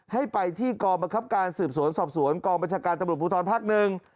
ให้ไปที่กองบังคับการสืบสวนสอบสวนกองบัญชาการตำรวจภูทรภักดิ์หนึ่ง